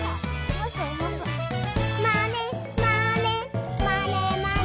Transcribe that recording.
「まねまねまねまね」